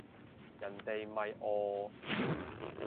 人哋咪哦